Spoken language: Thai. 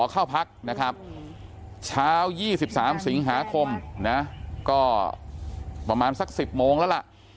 เข้าพักนะครับเช้า๒๓สิงหาคมนะก็ประมาณสัก๑๐โมงแล้วล่ะ